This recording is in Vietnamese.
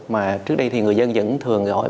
mà trước đây thì người dân dẫn thường gọi